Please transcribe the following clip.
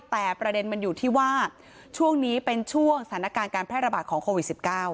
แต่ประเด็นมันอยู่ที่ว่าช่วงนี้เป็นช่วงสถานการณ์การแพร่ระบาดของโควิด๑๙